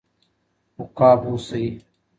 عقاب اوسئ.